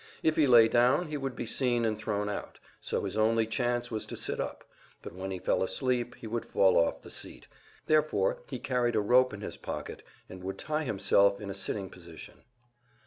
If he lay down, he would be seen and thrown out, so his only chance was to sit up; but when he fell asleep, he would fall off the seat therefore he carried a rope in his pocket, and would tie himself in a sitting position.